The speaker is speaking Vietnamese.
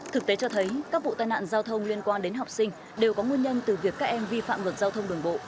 thực tế cho thấy các vụ tai nạn giao thông liên quan đến học sinh đều có nguyên nhân từ việc các em vi phạm luật giao thông đường bộ